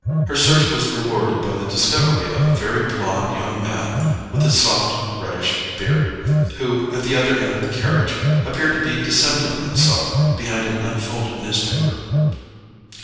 Her search was rewarded by the discovery of a very blond young man with a soft reddish beard, who, at the other end of the carriage, appeared to be dissembling himself behind an unfolded newspaper.